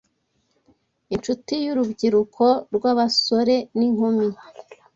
incuti y’urubyiruko rw’abasore n’inkumi